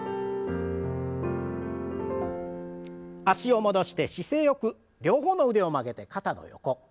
脚を戻して姿勢よく両方の腕を曲げて肩の横。